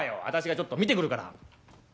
私がちょっと見てくるから。